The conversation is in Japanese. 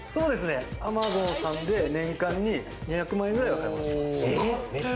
Ａｍａｚｏｎさんで、年間で２００万円くらい使います。